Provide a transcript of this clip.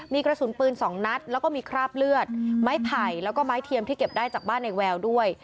มีกระสุนปืน๒นัดแล้วก็มีคราบเลือดไม้ไผ่แล้วก็ไม้เทียมที่เก็บได้จากบ้านในแววด้วย